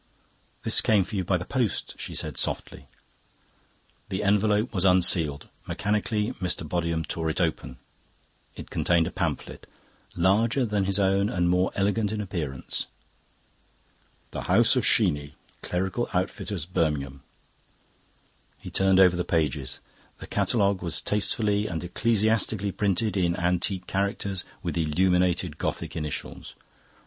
"This came for you by the post," she said softly. The envelope was unsealed. Mechanically Mr. Bodiham tore it open. It contained a pamphlet, larger than his own and more elegant in appearance. "The House of Sheeny, Clerical Outfitters, Birmingham." He turned over the pages. The catalogue was tastefully and ecclesiastically printed in antique characters with illuminated Gothic initials.